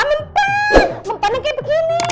mempengen kayak begini